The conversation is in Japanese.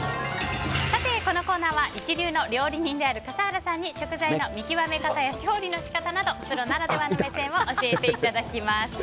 このコーナーでは一流の料理人である笠原さんに食材の見極め方や調理の仕方などプロならではの目線を教えていただきます。